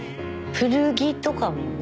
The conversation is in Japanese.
古着とかもね。